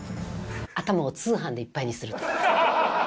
頭を通販でいっぱいにする。